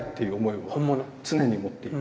常に持っていて。